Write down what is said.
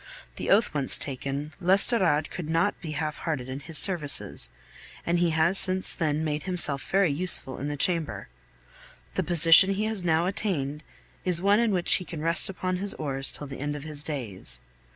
The oath once taken, l'Estorade could not be half hearted in his services, and he has since then made himself very useful in the Chamber. The position he has now attained is one in which he can rest upon his oars till the end of his days.